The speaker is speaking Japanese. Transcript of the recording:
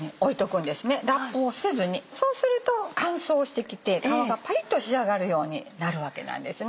そうすると乾燥してきて皮がパリっと仕上がるようになるわけなんですね。